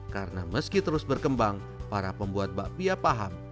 karena meski terus berkembang para pembuat bapia paham